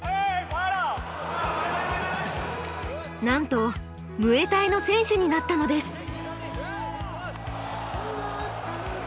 なんとムエタイの選手になったのです。